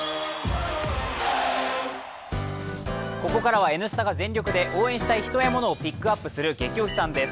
ここからは「Ｎスタ」が全力で応援したい人やものをピックアップする「ゲキ推しさん」です。